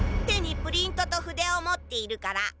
手にプリントと筆を持っているから。